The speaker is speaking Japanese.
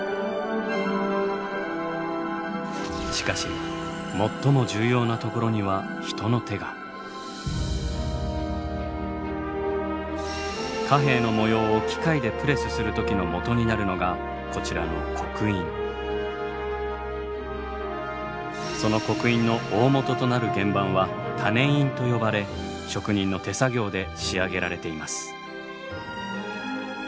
しかし最も貨幣の模様を機械でプレスする時の元になるのがこちらのその極印の大本となる原盤は種印と呼ばれ職人の手作業で仕上げられています。